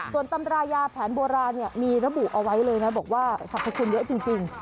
ส่วนตำรายาแผนโบราณมีระบุเอาไว้เลยนะบอกว่าสรรพคุณเยอะจริง